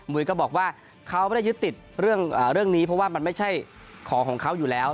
ก็บอกว่าเขาไม่ได้ยึดติดเรื่องนี้เพราะว่ามันไม่ใช่ของของเขาอยู่แล้ว